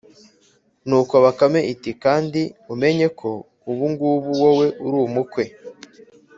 nuko bakame iti: ‘kandi umenye ko ubu ngubu wowe uri umukwe.